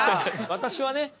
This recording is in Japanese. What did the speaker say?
私はね